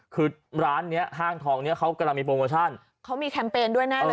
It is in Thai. คือร้านเนี้ยห้างทองเนี้ยเขากำลังมีโปรโมชั่นเขามีแคมเปญด้วยแน่เลย